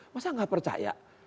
masa gak percaya